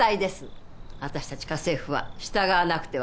私たち家政婦は従わなくてはなりません。